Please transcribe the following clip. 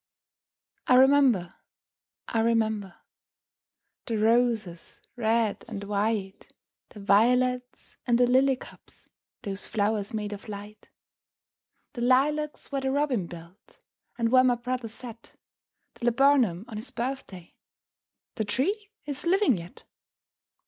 I remember, I remember, The roses, red and white, The violets, and the lily cups, Those flowers made of light! The lilacs where the robin built, And where my brother set The laburnum on his birthday, The tree is living yet!